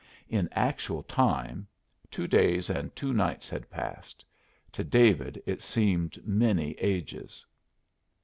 In actual time, two days and two nights had passed; to David it seemed many ages.